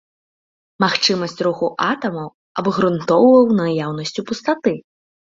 Магчымасць руху атамаў абгрунтоўваў наяўнасцю пустаты.